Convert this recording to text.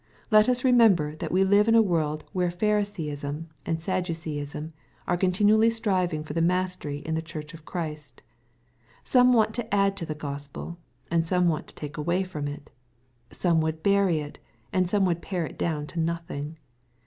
Let us remember, that we live in a world where Pharisaism and Sadduceeism are continually striving far the mastery in the Church of Christ. Some want to add to the Gospel, and some want to take away from it. Some would bury it, and some would pare it down to nothing.